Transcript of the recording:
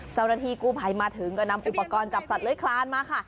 เจ้าหน้าที่กู้ภัยมาถึงก็นำอุปกรณ์จับสัตว์เลื้อยคลานมาค่ะ